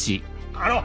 あの！